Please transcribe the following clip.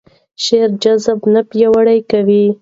شعر جذبه نه پیاوړې کوي.